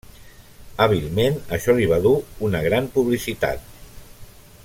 Hàbilment, això li va dur una gran publicitat.